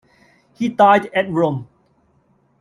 He died at Rome.